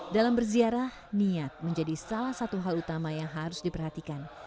dalam berziarah niat menjadi salah satu hal utama yang harus diperhatikan